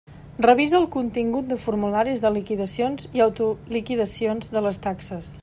Revisa el contingut de formularis de liquidacions i autoliquidacions de les taxes.